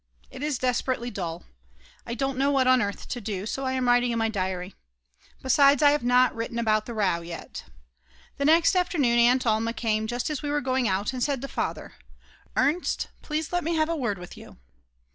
It is desperately dull. I don't know what on earth to do, so I am writing my diary. Besides, I have not written about the row yet. The next afternoon Aunt Alma came just as we were going out and said to Father: Ernst, please let me have a word with you.